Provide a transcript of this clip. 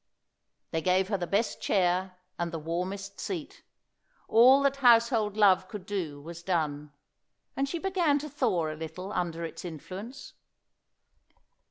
They gave her the best chair and the warmest seat. All that household love could do was done; and she began to thaw a little under its influence.